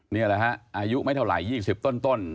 นี่แหละฮะอายุไม่เท่าไหร่๒๐ต้น